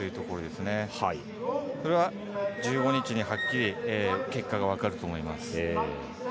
これは１５日にはっきり結果が分かると思います。